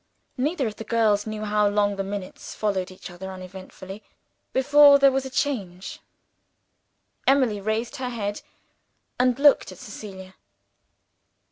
Neither of the girls knew how long the minutes followed each other uneventfully, before there was a change. Emily raised her head, and looked at Cecilia.